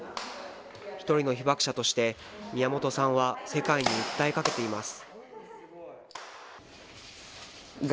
一人の被爆者として、宮本さんは世界に訴えかけています。